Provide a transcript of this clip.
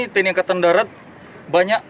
tni angkatan darat banyak